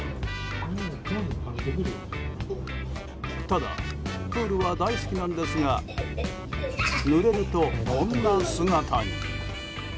ただプールは大好きなんですがぬれると、こんな姿に。